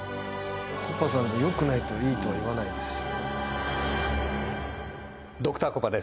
コパさんもよくないといいとは言わないですよ。